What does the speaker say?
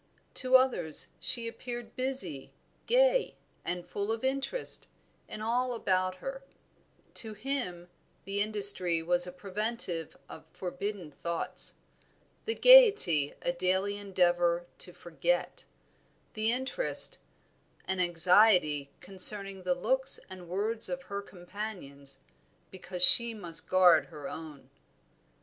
To others she appeared busy, gay, and full of interest in all about her; to him, the industry was a preventive of forbidden thoughts; the gayety a daily endeavor to forget; the interest, an anxiety concerning the looks and words of her companions, because she must guard her own.